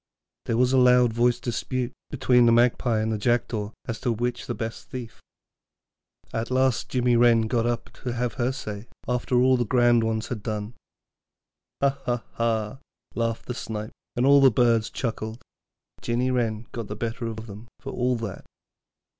There was a loud voiced dispute between the Magpie and the Jackdaw as to which was the best thief. At last little Jinny Wren got up to have her say, after all the grand ones had done. 'Ha, ha, ha,' laughed the Snipe, and all the birds chuckled; but Jinny Wren got the better of them for all that.